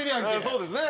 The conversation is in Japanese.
そうですね。